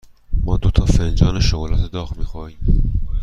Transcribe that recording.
ما دو فنجان شکلات داغ می خواهیم.